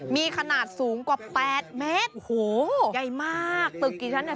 มีขนาดสูงกว่าแปดเมตรโอ้โหใหญ่มากตึกกี่ชั้นเนี่ย